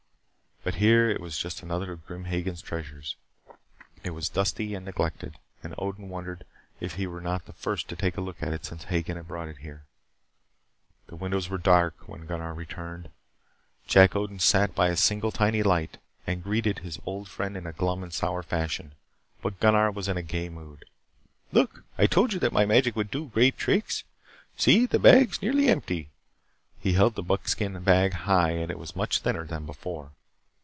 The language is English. But here it was just another of Grim Hagen's treasures it was dusty and neglected, and Odin wondered if he were not the first to take a look at it since Hagen had brought it here. The windows were dark when Gunnar returned. Jack Odin sat by a single tiny light, and greeted his old friend in a glum and sour fashion. But Gunnar was in a gay mood. "Look, I told you that my magic would do great tricks. See, the bag is nearly empty." He held the buckskin bag high and it was much thinner than before.